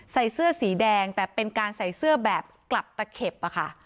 ใส่เสื้อสีแดงแต่เป็นการใส่เสื้อแบบกลับตะเข็บอะค่ะ